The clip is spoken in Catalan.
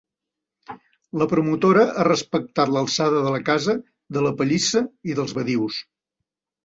La promotora ha respectat l'alçada de la casa, de la pallissa i dels badius.